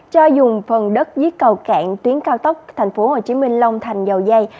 cho dùng phần đất dưới cầu cạn tuyến cao tốc tp hcm long thành dầu dây